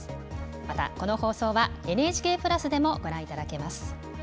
また、この放送はＮＨＫプラスでもご覧いただけます。